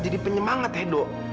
jadi penyemangat edo